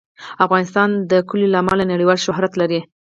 افغانستان د کلیو له امله نړیوال شهرت لري.